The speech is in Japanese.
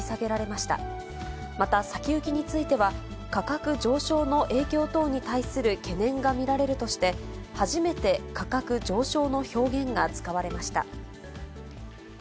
また先行きについては、価格上昇の影響等に対する懸念が見られるとして、初めて価格上昇の表現が使われました。